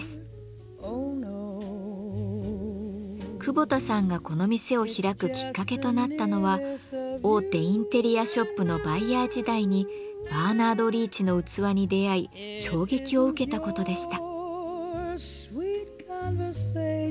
久保田さんがこの店を開くきっかけとなったのは大手インテリアショップのバイヤー時代にバーナード・リーチの器に出会い衝撃を受けたことでした。